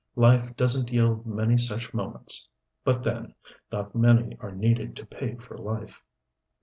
Life doesn't yield many such moments. But then not many are needed to pay for life.